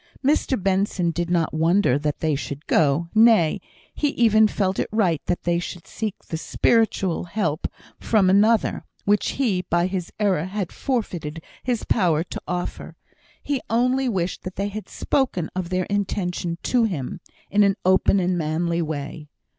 Mr Benson did not wonder that they should go; nay, he even felt it right that they should seek that spiritual help from another, which he, by his error, had forfeited his power to offer; he only wished they had spoken of their intention to him in an open and manly way.